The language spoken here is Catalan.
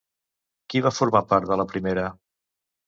Qui va formar part de la primera?